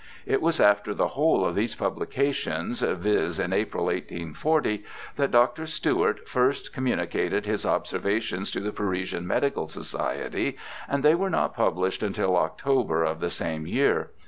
It was after the whole of these publica tions—viz. in April, 1840— that Dr. Stewart first com municated his observations to the Parisian Medical Society, and they were not published until October ol the same year.